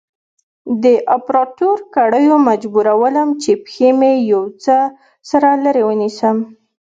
د اپراتو کړيو مجبورولم چې پښې مې يو څه سره لرې ونيسم.